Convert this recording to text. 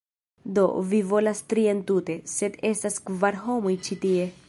"Do, vi volas tri entute, sed estas kvar homoj ĉi tie